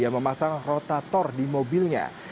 yang memasang rotator di mobilnya